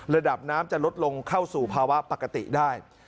ระดับน้ำจะลดลงเข้าสู่ภาวะปกติได้